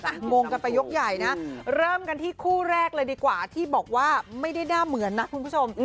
งงกันไปยกใหญ่นะเริ่มกันที่คู่แรกเลยดีกว่าที่บอกว่าไม่ได้หน้าเหมือนนะคุณผู้ชม